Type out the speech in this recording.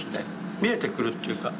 見えてくるというか。